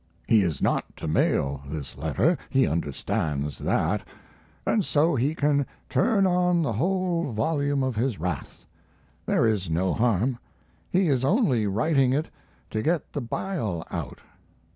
He is not to mail this letter; he understands that, and so he can turn on the whole volume of his wrath; there is no harm. He is only writing it to get the bile out.